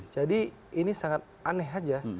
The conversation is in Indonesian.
jadi ini sangat aneh saja